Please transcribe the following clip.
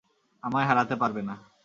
আমায় হারাতে পারবে না।